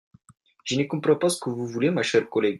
Je ne comprends pas ce que vous voulez, ma chère collègue.